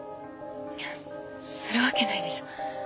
いやするわけないでしょ。